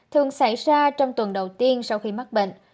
thường xảy ra trong tuần đầu tiên sau khi mắc bệnh